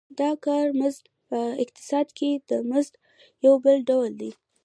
د کار مزد په اقتصاد کې د مزد یو بل ډول دی